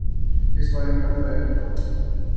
اپنے بارے میں اعلی رائے رکھتا ہوں